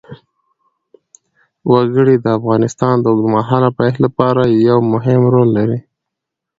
وګړي د افغانستان د اوږدمهاله پایښت لپاره یو مهم رول لري.